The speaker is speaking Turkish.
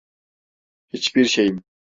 Hiçbir şeyim…